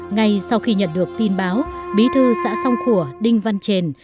ngay sau khi nhận được tin báo bí thư xã song khủa đinh văn trền